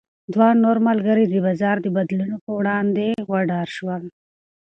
دوه نور ملګري یې د بازار د بدلونونو په وړاندې وډار شول.